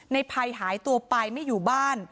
ในภัยหายตัวไปไม่อยู่บ้าน